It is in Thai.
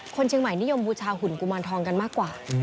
คนเชียงใหม่นิยมบูชาหุ่นกุมารทองกันมากกว่า